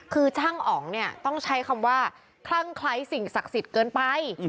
คือช่างอ๋องเนี่ยต้องใช้คำว่าคลั่งคล้ายสิ่งศักดิ์สิทธิ์เกินไป